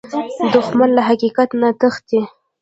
دښمن له حقیقت نه تښتي